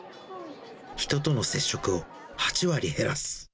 人との接触を８割減らす。